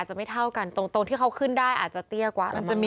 ใช่เขาอยากเลี้ยง